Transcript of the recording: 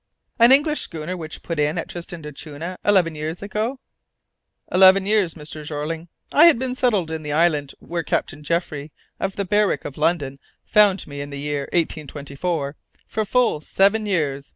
"An English schooner which put in at Tristan d'Acunha eleven years ago?" "Eleven years, Mr. Jeorling. I had been settled in the island where Captain Jeffrey, of the Berwick, of London, found me in the year 1824, for full seven years.